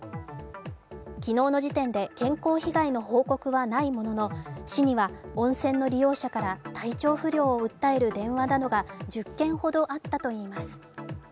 昨日の時点で健康被害の報告はないものの市には温泉の利用者から体調不良を訴える電話などが１０件ほどあったといいます。